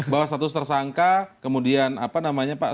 bahwa status tersangka kemudian apa namanya pak